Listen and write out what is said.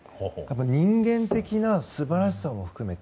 人間的な素晴らしさも含めて